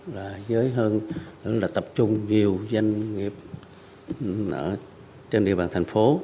với hơn tập trung nhiều doanh nghiệp trên địa bàn thành phố